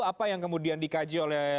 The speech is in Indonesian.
apa yang kemudian dikaji oleh